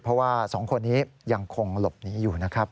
เพราะว่า๒คนนี้ยังคงหลบหนีอยู่นะครับ